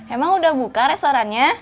emang udah buka restorannya